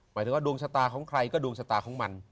หมายถึงว่าดวงชะตาของใครก็ดวงชะตาของมัน